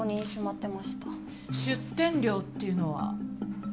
出店料っていうのは？